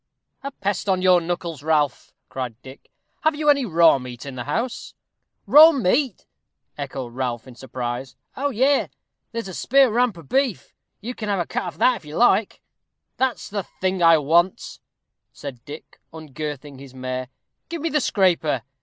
"A pest on your knuckles, Ralph," cried Dick; "have you any raw meat in the house?" "Raw meat!" echoed Ralph, in surprise. "Oh, yes, there's a rare rump of beef. You can have a cut off that, if you like." "That's the thing I want," said Dick, ungirthing his mare. "Give me the scraper.